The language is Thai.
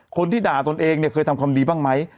คนที่ด่าตนเองเนี่ยเคยทำความดีบ้างไหม